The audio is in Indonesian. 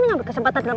aku tadi lupa ini